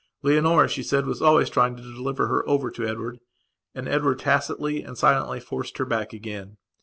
Leonora, she said, was always trying to deliver her over to Edward, and Edward tacitly and silently forced her back again.